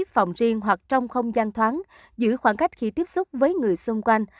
phòng riêng hoặc trong không gian thoáng giữ khoảng cách khi tiếp xúc với người xung quanh